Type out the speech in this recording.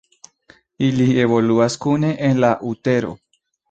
Ili evoluas kune en la utero.